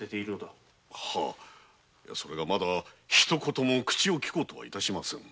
それがまだ一言も口をきこうとは致しませぬ。